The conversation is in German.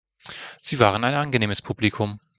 Sie waren ein angenehmes Publikum.